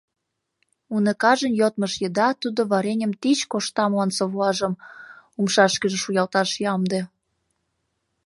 Уныкажын йодмыж еда тудо вареньым тич кошталман совлажым умшашкыже шуялташ ямде.